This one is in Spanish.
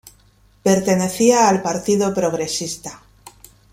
Pertenecía al partido progresista.